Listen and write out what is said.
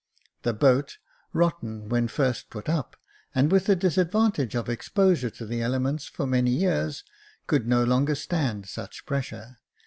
The boat, rotten Jacob Faithful 377 when first put up, and with the disadvantage of exposure to the elements for many years, could no longer stand such pressure.